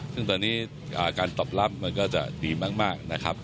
ซึ่งตอนนี้การตอบรับมันก็จะดีมากนะครับ